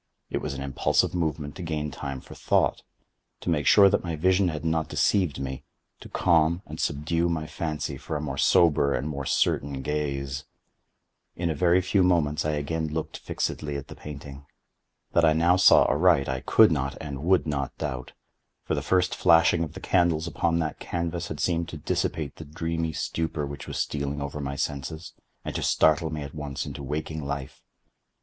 It was an impulsive movement to gain time for thought—to make sure that my vision had not deceived me—to calm and subdue my fancy for a more sober and more certain gaze. In a very few moments I again looked fixedly at the painting. That I now saw aright I could not and would not doubt; for the first flashing of the candles upon that canvas had seemed to dissipate the dreamy stupor which was stealing over my senses, and to startle me at once into waking life.